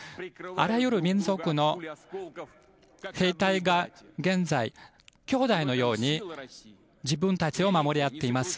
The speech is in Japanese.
あらゆる民族の兵隊が、現在きょうだいのように自分たちを守り合っています。